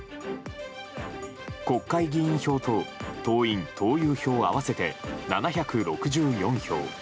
国会議員票と党員・党友票を合わせて７６４票。